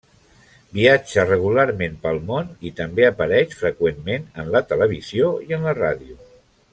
Viatja regularment pel món, i també apareix freqüentment en la televisió i en la ràdio.